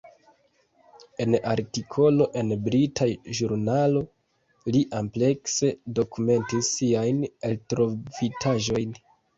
En artikolo en brita ĵurnalo li amplekse dokumentis siajn eltrovitaĵojn.